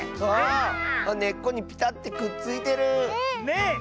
あねっこにピタッてくっついてる！ね！